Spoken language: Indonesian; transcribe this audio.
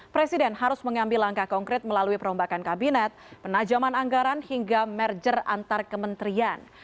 presiden harus mengambil langkah konkret melalui perombakan kabinet penajaman anggaran hingga merger antar kementerian